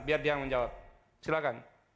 biar dia yang menjawab silahkan